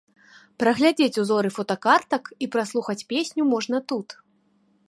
Праглядзець узоры фотакартак і праслухаць песню можна тут.